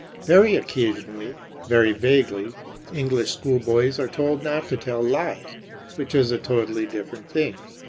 Very occasionally, very vaguely, English schoolboys are told not to tell lies, which is a totally different thing.